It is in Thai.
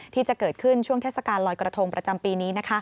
ที่จะเกิดขึ้นช่วงเทศกาลลอยกระทงประจำปีนี้